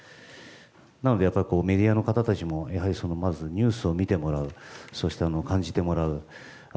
なので、メディアの方たちもまずニュースを見てもらうそして感じてもらう。